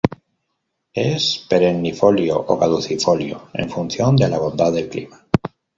Es perennifolio o caducifolio en función de la bondad del clima.